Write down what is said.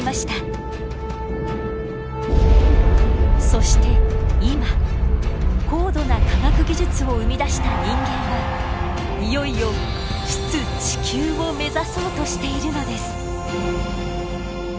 そして今高度な科学技術を生み出した人間はいよいよ出・地球を目指そうとしているのです。